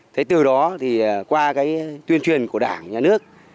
thế từ đó qua tuyên truyền của đảng nhân nước